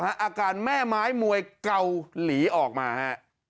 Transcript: อาการแม่ไม้มวยเกาหลีออกมาฮะ